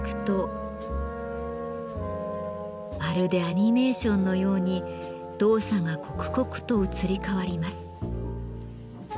まるでアニメーションのように動作が刻々と移り変わります。